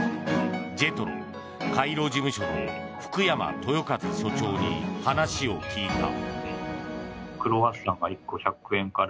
カイロ事務所の福山豊和所長に話を聞いた。